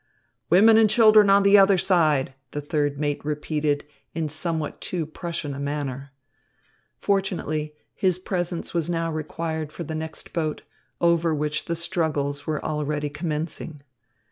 "Women and children on the other side!" the third mate repeated in somewhat too Prussian a manner. Fortunately his presence was now required for the next boat, over which the struggles were already commencing.